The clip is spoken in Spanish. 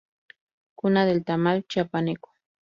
Cuna del Tamal Chiapaneco.